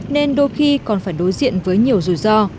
nên đôi khi còn phải đối diện với nhiều rủi ro